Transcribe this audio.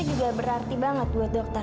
ini juga berarti banget buat dokter